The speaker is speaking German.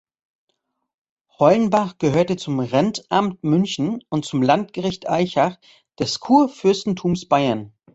Hollenbach gehörte zum Rentamt München und zum Landgericht Aichach des Kurfürstentums Bayern.